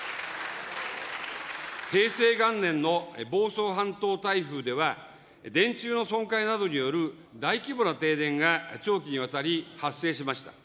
平成元年の房総半島台風では、電柱の損壊などによる大規模な停電が長期にわたり発生しました。